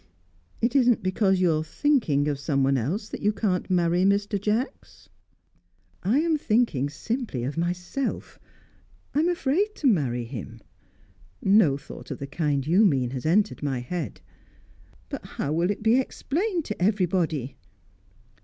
"It isn't because you are thinking of someone else that you can't marry Mr. Jacks?" "I am thinking simply of myself. I am afraid to marry him. No thought of the kind you mean has entered my head." "But how will it be explained to everybody?"